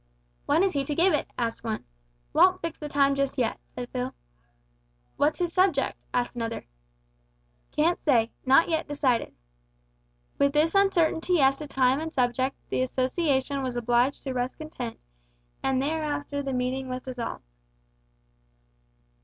"When is he to give it?" asked one. "Won't fix the time just yet," said Phil. "What's his subject?" asked another. "Can't say; not yet decided." With this uncertainty as to time and subject the association was obliged to rest content, and thereafter the meeting was dissolved.